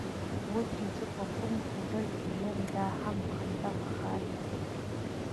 اوس چې زه په کوم هوټل کې یم دا هم همدغه حال لري.